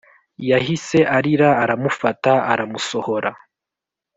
yahise arira aramufata aramusohora